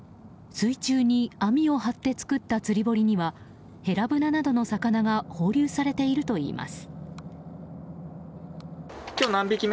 水中に網を張って作った釣り堀にはヘラブナなどの魚が放流されているといいます。